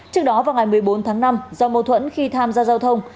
trước đó vào ngày một mươi bốn tháng năm do mâu thuẫn